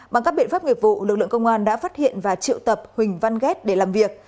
bằng các biện pháp nghiệp vụ lực lượng công an đã phát hiện và triệu tập huỳnh văn ghét để làm việc